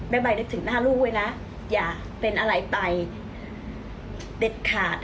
ใบนึกถึงหน้าลูกไว้นะอย่าเป็นอะไรไปเด็ดขาด